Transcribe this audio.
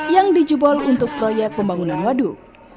yang dijebol untuk proyek pembangunan waduk